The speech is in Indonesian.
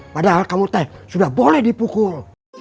padahal kamu tahu sudah boleh dipukul